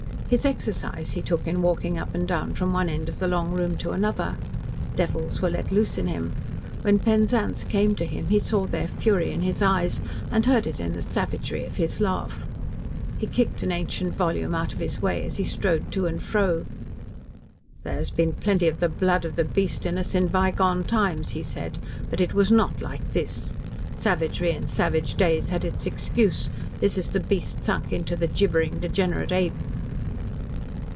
His exercise he took in walking up and down from one end of the long room to another. Devils were let loose in him. When Penzance came to him, he saw their fury in his eyes, and heard it in the savagery of his laugh. He kicked an ancient volume out of his way as he strode to and fro. "There has been plenty of the blood of the beast in us in bygone times," he said, "but it was not like this. Savagery in savage days had its excuse. This is the beast sunk into the gibbering, degenerate ape."